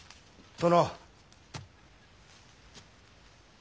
殿。